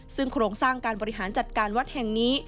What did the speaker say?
ซึ่งโครงสร้างการบริหารจัดการวัดแห่งนี้